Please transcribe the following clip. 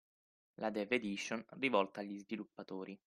La Dev Edition, rivolta agli sviluppatori